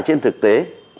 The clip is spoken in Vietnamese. trên thực tế